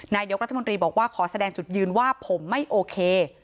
นายกรัฐมนตรีบอกว่าขอแสดงจุดยืนว่าผมไม่โอเค